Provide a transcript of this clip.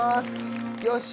よし！